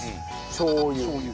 しょう油。